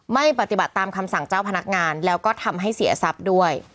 ไม่ปฏิบัติตามคำสั่งเจ้าพนักงานแล้วก็ทำให้เสียทรัพย์ด้วย